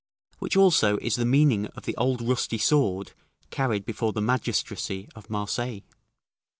Which also is the meaning of the old rusty sword carried before the magistracy of Marseilles.